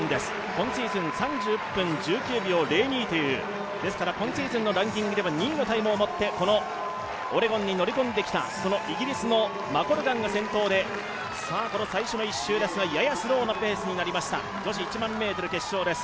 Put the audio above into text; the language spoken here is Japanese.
今シーズン３１分１９秒０２という今シーズンのランキングでは２位のタイムを持ってオレゴンに乗り込んできた、イギリスのマコルガンが先頭で、最初の１周ですが、ややスローなペースになりました、女子１００００ｍ決勝です。